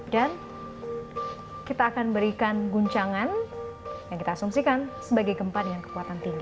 dan kita akan berikan guncangan yang kita asumsikan sebagai gempa dengan kekuatan tinggi